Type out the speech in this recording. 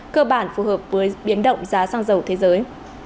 cơ bản phù hợp với biến động giá xăng dầu thế giới